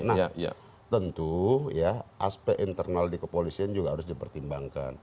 nah tentu aspek internal dikepolisian juga harus dipertimbangkan